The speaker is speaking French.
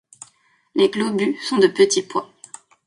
Les globus sont des petits pois.